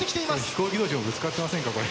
飛行機同士がぶつかってませんかこれ。